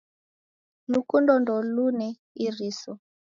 Lukundo ndolune iriso.